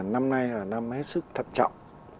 năm nay là năm hết sức thật chậm